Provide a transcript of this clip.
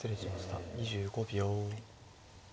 ２５秒。